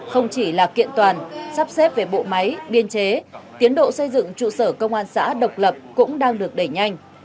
không chỉ là kiện toàn sắp xếp về bộ máy biên chế tiến độ xây dựng trụ sở công an xã độc lập cũng đang được đẩy nhanh